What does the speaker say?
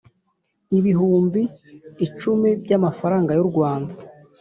ibihumbi icumi by’amafaranga y’u Rwanda